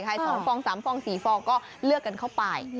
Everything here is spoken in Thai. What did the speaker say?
๒ฟอง๓ฟอง๔ฟองก็เลือกกันเข้าไป